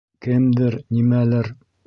Кемдер, нимәлер